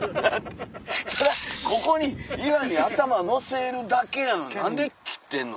ただここに岩に頭乗せるだけやのに何で切ってんの？